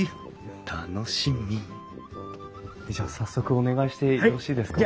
楽しみじゃあ早速お願いしてよろしいですか？